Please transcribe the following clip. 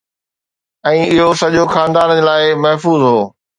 ۽ اهو سڄو خاندان لاء محفوظ هو